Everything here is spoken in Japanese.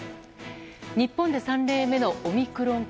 日本で３例目のオミクロン株。